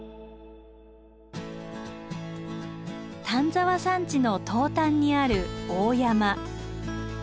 丹沢山地の東端にある大山。